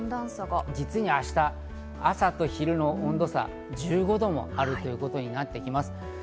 実に明日、朝と昼の温度差１５度もあるということになってきます。